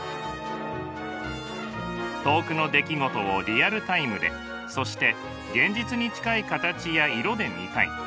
遠くの出来事をリアルタイムでそして現実に近い形や色で見たい。